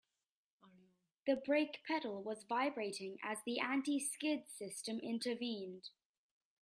The brake pedal was vibrating as the anti-skid system intervened.